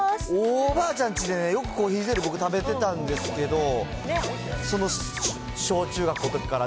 おばあちゃんちでね、よくコーヒーゼリー、僕、食べてたんですけど、小中学校のときから。